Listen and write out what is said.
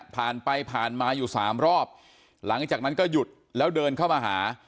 ผ่านไปผ่านมาอยู่สามรอบหลังจากนั้นก็หยุดแล้วเดินเข้ามาหา